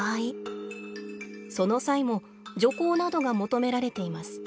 その際も徐行などが求められています。